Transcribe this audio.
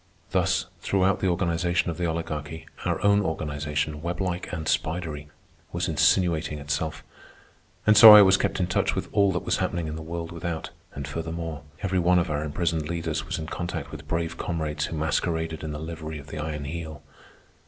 Thus, throughout the organization of the Oligarchy, our own organization, weblike and spidery, was insinuating itself. And so I was kept in touch with all that was happening in the world without. And furthermore, every one of our imprisoned leaders was in contact with brave comrades who masqueraded in the livery of the Iron Heel.